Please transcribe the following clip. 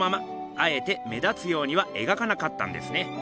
あえて目立つようには描かなかったんですね。